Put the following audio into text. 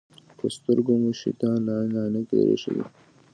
پر سترګو مو شیطان لعین عینکې در اېښي دي.